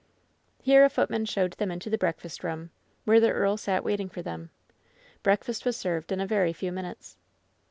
Here a footman showed them into the breakfast room, where the earl sat waiting for them. Breakfast was served in a very few minutes.